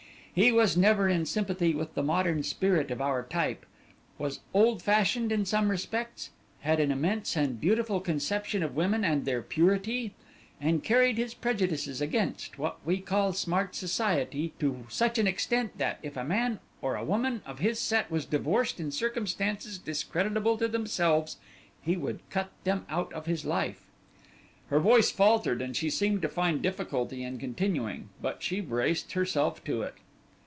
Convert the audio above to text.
He was never in sympathy with the modern spirit of our type, was old fashioned in some respects, had an immense and beautiful conception of women and their purity, and carried his prejudices against, what we call smart society, to such an extent that, if a man or woman of his set was divorced in circumstances discreditable to themselves, he would cut them out of his life." Her voice faltered, and she seemed to find difficulty in continuing, but she braced herself to it.